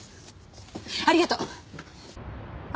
ありがとう！